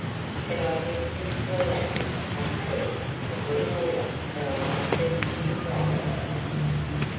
"But I begged him to allow me to come first in order that I might speak to you privately."